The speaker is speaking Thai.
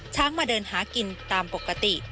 มาเดินหากินตามปกติ